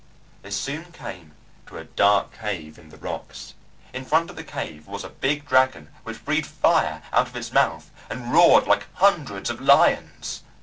They soon came to a dark cave in the rocks. In front of the cave was a big dragon which breathed fire out of its mouth and roared like hundreds of lions.